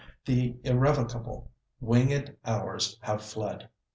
The irrevocable winged hours have fled.